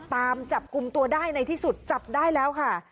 ตามจับกลุ่มตัวได้ในที่สุดจับได้แล้วค่ะ